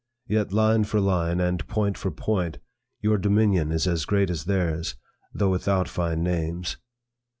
Yet line for line and point for point, your dominion is as great as theirs, though without fine names.